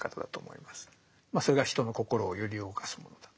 まあそれが人の心を揺り動かすものだ。